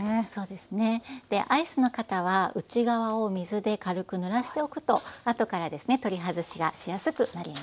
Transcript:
でアイスの型は内側を水で軽くぬらしておくとあとからですね取り外しがしやすくなります。